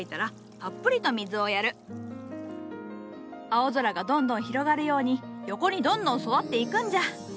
青空がどんどん広がるように横にどんどん育っていくんじゃ。